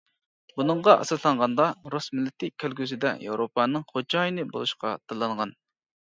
بۇنىڭغا ئاساسلانغاندا، رۇس مىللىتى كەلگۈسىدە ياۋروپانىڭ خوجايىنى بولۇشقا تاللانغان.